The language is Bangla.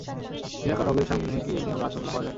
নিরাকার রবের সামনে কি এমনিভাবে আত্মভোলা হওয়া যায়?